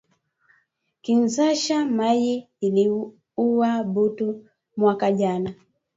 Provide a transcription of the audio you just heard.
Kinshasa mayi iliuwa batu mwaka jana